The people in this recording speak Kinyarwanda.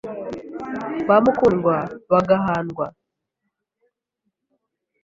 Ba Mukundwa bagahandwa